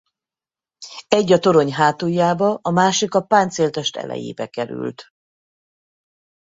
Egy a torony hátuljába a másik a páncéltest elejébe került.